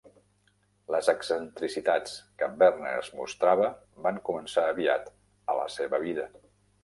Les excentricitats que Berners mostrava van començar aviat a la seva vida.